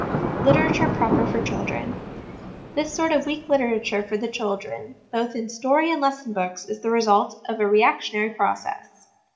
Literature Proper for Children. This sort of weak literature for the children, both in story and lesson books, is the result of a reactionary process.